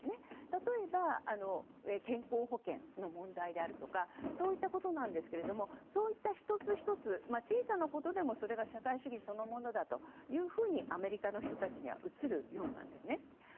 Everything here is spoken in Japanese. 例えば健康保険の問題であるとかそういったことなんですけどそういった１つ１つ小さなことでもそれが社会主義そのものだというふうにアメリカの人たちには映るようなんですね。